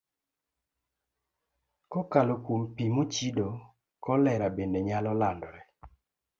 Kokalo kuom pi mochido, kolera bende nyalo landore.